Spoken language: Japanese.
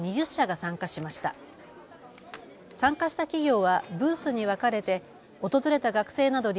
参加した企業はブースに分かれて訪れた学生などに